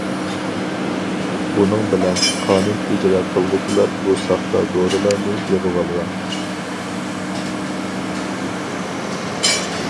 بۇنىڭ بىلەن، قانۇن ئىجرا قىلغۇچىلار بۇ ساختا دورىلارنى يىغىۋالغان.